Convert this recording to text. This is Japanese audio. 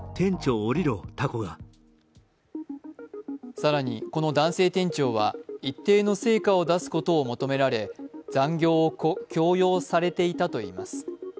更に、この男性店長は一定の成果を出すことを求められ残業を強要されていたといいます。